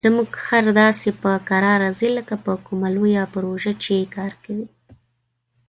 زموږ خر داسې په کراره ځي لکه په کومه لویه پروژه چې کار کوي.